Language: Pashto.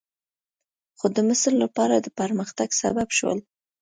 خو د مصر لپاره د پرمختګ سبب شول.